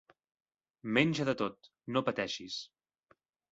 Menja de tot, no pateixis.